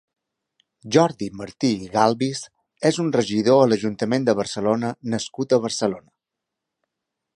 Jordi Martí i Galbis és un regidor a l'Ajuntament de Barcelona nascut a Barcelona.